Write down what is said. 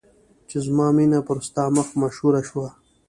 چې زما مینه پر ستا مخ مشهوره شوه.